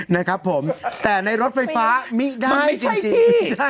นะครับผมแต่ในรถไฟฟ้ามิได้จริง